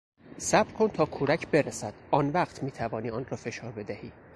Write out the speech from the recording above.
صبر کن تا کورک برسد، آنوقت میتوانی آن را فشار بدهی.